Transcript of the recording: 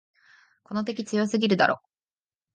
この敵、強すぎるだろ。